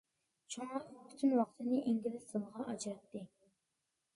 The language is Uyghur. شۇڭا ئۇ پۈتۈن ۋاقتىنى ئىنگلىز تىلىغا ئاجراتتى.